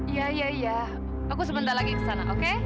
iya aku sebentar lagi ke sana oke